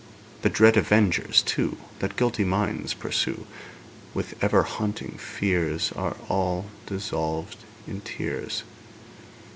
The dread Avengers, too, That guilty minds pursue With ever haunting fears, Are all dissolved in tears.